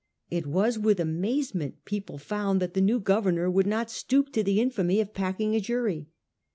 It was with amazement people found that the new governor would not stoop to the infamy of packing a jury.